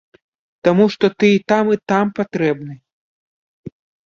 Таму што ты і там і там патрэбны.